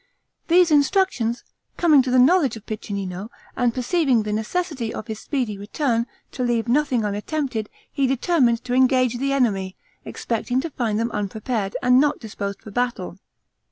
These instructions coming to the knowledge of Piccinino, and perceiving the necessity of his speedy return, to leave nothing unattempted, he determined to engage the enemy, expecting to find them unprepared, and not disposed for battle.